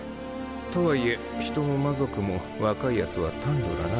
とはいえ人も魔族も若いヤツは短慮だな。